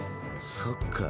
そっかぁ。